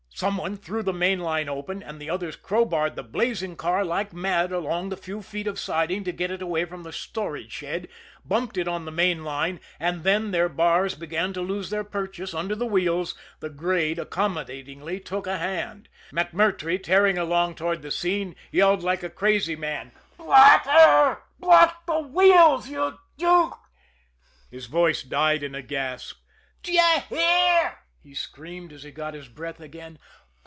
Some one threw the main line open, and the others crowbarred the blazing car like mad along the few feet of siding to get it away from the storage shed, bumped it on the main line, and then their bars began to lose their purchase under the wheels the grade accommodatingly took a hand. MacMurtrey, tearing along toward the scene, yelled like a crazy man: "Block her! Block the wheels! You you " His voice died in a gasp. "D'ye hear!" he screamed, as he got his breath again.